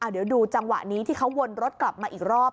เดี๋ยวดูจังหวะนี้ที่เขาวนรถกลับมาอีกรอบ